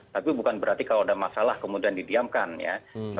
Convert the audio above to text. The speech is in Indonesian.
tapi bukan berarti kalau ada masalah kemudian didiamkan ya